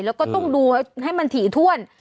แล้วก็ต้องดูให้มันถี่ถ้วน